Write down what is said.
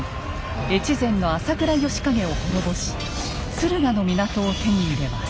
越前の朝倉義景を滅ぼし敦賀の港を手に入れます。